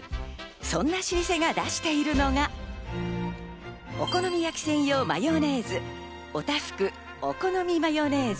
そんな老舗が出しているのが、お好み焼き専用マヨネーズ、オタフクお好みマヨネーズ。